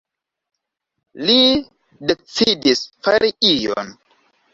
Li decidis „fari ion“.